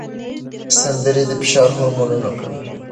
سندرې د فشار هورمون کموي.